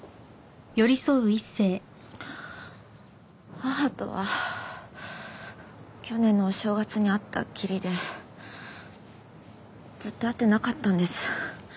母とは去年のお正月に会ったっきりでずっと会ってなかったんです。